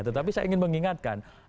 tetapi saya ingin mengingatkan